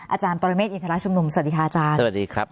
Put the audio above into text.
อาจารย์ปรเมฆอินทรชุมนุมสวัสดีค่ะอาจารย์สวัสดีครับ